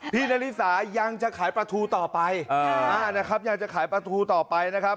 พี่นาฬิสายังจะขายประทูต่อไปอยากจะขายประทูต่อไปนะครับ